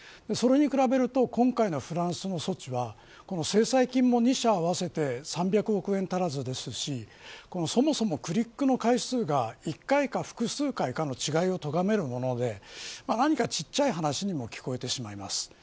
それに比べると今回のフランスの措置は制裁金も２社合わせて３００億円足らずですしそもそもクリックの回数が１回か複数回かの違いをとがめるもので何かちっちゃい話にも聞こえてしまいます。